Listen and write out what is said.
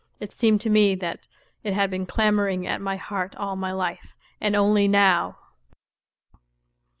It seemed to me that it had been clamouring at my heart all my life, and only now.